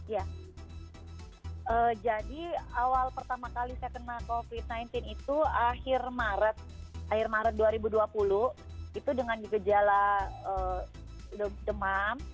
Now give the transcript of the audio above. ya jadi awal pertama kali saya kena covid sembilan belas itu akhir maret dua ribu dua puluh itu dengan gejala demam